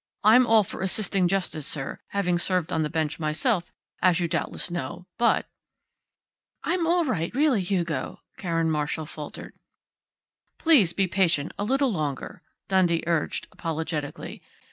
"I'm all for assisting justice, sir, having served on the bench myself, as you doubtless know, but " "I'm all right, really, Hugo," Karen Marshall faltered. "Please be patient a little longer," Dundee urged apologetically.